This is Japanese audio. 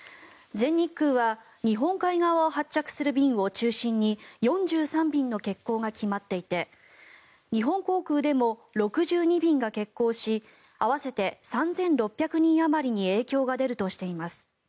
全日空は日本海側を発着する便を中心に４３便の欠航が決まっていて日本航空でも６２便が欠航し合わせて３６００人あまりに影響が出るとしています。